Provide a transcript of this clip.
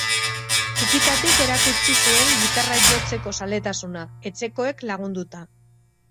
Txikitatik erakutsi zuen gitarra jotzeko zaletasuna, etxekoek lagunduta.